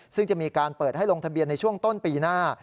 ซึ่งจะมีการเปิดให้ลงทะเบียนในช่วงต้นปีหน้า